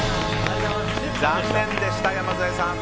残念でした、山添さん。